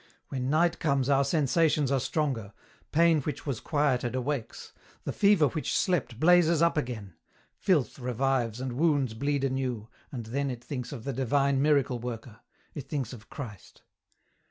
When night comes our sensations are stronger, pain which was quieted awakes, the fever which slept blazes up again, filth revives and wounds bleed anew, and then it thinks of the divine Miracle worker, it thinks of Christ.